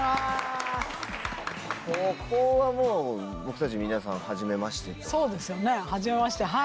ここはもう僕たち皆さんはじめまして。